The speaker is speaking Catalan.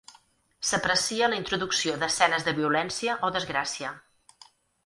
S'aprecia la introducció d'escenes de violència o desgràcia.